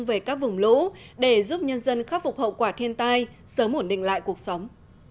về các vùng lũ để giúp nhân dân khắc phục hậu quả thiên tai sớm ổn định lại cuộc sống